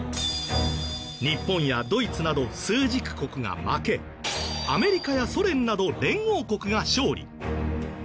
日本やドイツなど枢軸国が負けアメリカやソ連など連合国が勝利。